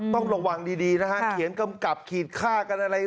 ต้องระวังดีนะฮะเขียนกำกับขีดค่ากันอะไร